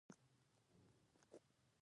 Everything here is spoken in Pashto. دا ښځې د داسې شی او هاغه ښځې د هاسې شی